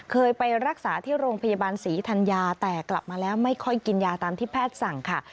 เคยไปรักษาที่โรงพยาบาลศรีธัญญาแต่กลับมาแล้วไม่ค่อยกินยาตามที่แพทย์สั่งค่ะ